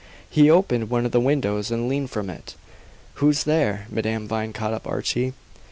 He opened one of the windows and leaned from it. "Who's there?" Madame Vine caught up Archie.